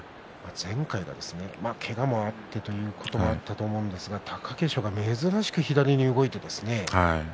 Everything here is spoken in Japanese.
前回はけがもあってということもあったと思うんですが貴景勝が珍しく左に動いてですね。